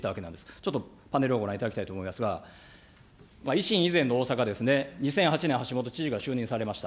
ちょっとパネルをご覧いただきたいと思いますが、維新以前の大阪ですね、２００８年、橋下知事が就任されました。